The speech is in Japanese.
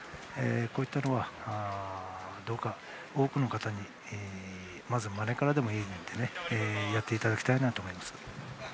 こういったものはどうか多くの方にまず、まねからでもいいのでやっていただきたいと思います。